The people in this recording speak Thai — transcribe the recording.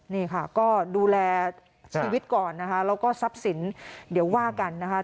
นี่ค่ะก็ดูแลชีวิตก่อนนะคะแล้วก็ทรัพย์สินเดี๋ยวว่ากันนะคะ